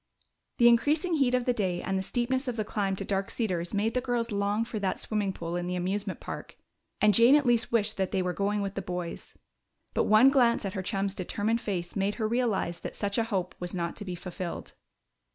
The increasing heat of the day and the steepness of the climb to Dark Cedars made the girls long for that swimming pool in the amusement park, and Jane at least wished that they were going with the boys. But one glance at her chum's determined face made her realize that such a hope was not to be fulfilled.